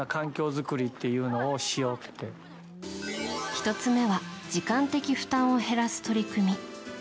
１つ目は時間的負担を減らす取り組み。